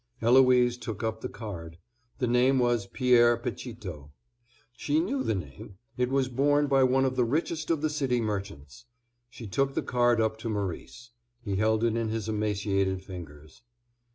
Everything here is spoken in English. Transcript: Eloise took up the card. The name was Pierre Pechito. She knew the name; it was borne by one of the richest of the city merchants. She took the card up to Maurice. He held it in his emaciated fingers.